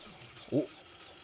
おっ。